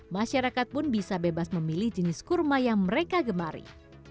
masyarakat pun bisa bebas memilih jenis kurma yang mereka gemari